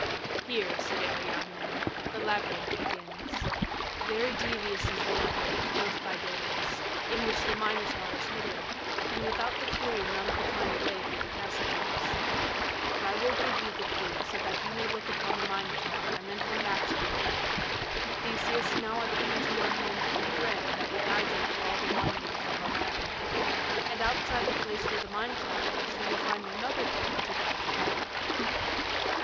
"Here," said Ariadne, "the labyrinth begins. Very devious is the labyrinth, built by Daedalus, in which the Minotaur is hidden, and without the clue none could find a way through the passages. But I will give you the clue so that you may look upon the Minotaur and then come back to me. Theseus, now I put into your hand the thread that will guide you through all the windings of the labyrinth. And outside the place where the Minotaur is you will find another thread to guide you back."